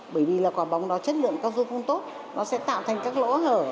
bởi vì là quả bóng đó chất lượng cao dư không tốt nó sẽ tạo thành các lỗ hở